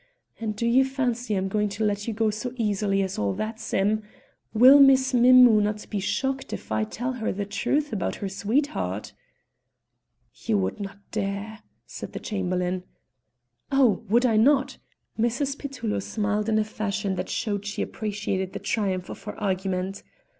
And do you fancy I'm going to let you go so easily as all that, Sim? Will Miss Mim mou' not be shocked if I tell her the truth about her sweetheart?" "You would not dare!" said the Chamberlain. "Oh! would I not?" Mrs. Petullo smiled in a fashion that showed she appreciated the triumph of her argument.